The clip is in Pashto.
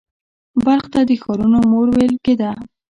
بلخ ته د ښارونو مور ویل کیده